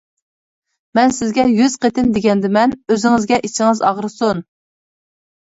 مەن سىزگە يۈز قېتىم دېگەندىمەن، ئۆزىڭىزگە ئىچىڭىز ئاغرىسۇن!